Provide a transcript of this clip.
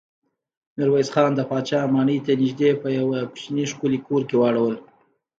ميرويس خان د پاچا ماڼۍ ته نږدې په يوه کوچيني ښکلي کور کې واړول.